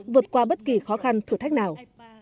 vượt qua bất kỳ khó khăn thử thách nào